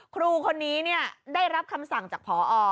ครูคนนี้ได้รับคำสั่งจากพอ